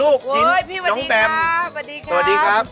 ลูกชิ้นน้องแบมสวัสดีครับสวัสดีครับโอ๊ยพี่สวัสดีครับ